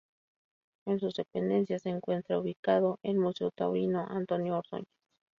En sus dependencias se encuentra ubicado el "Museo Taurino Antonio Ordóñez".